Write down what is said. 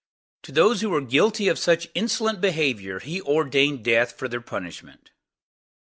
To those who were guilty of such insolent behavior, he ordained death for their punishment. 2.